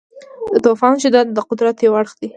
د طوفان شدت د قدرت یو اړخ دی.